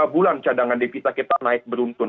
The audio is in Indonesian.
tiga bulan cadangan devisa kita naik beruntun